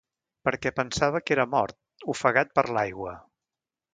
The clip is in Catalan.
Perquè pensava que era mort, ofegat per l'aigua.